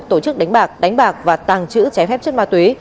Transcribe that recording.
tổ chức đánh bạc đánh bạc và tàng trữ trái phép chất ma túy